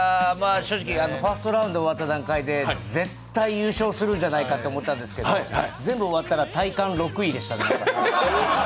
正直、ファーストラウンド終わった段階で絶対優勝するんじゃないかと思いましたけど、全部終わったら体感６位でしたね。